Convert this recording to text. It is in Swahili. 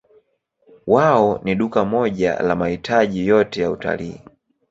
Wao ni duka moja la mahitaji yote ya utalii.